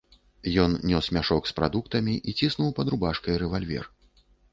Ён нёс мяшок з прадуктамі і ціснуў пад рубашкай рэвальвер.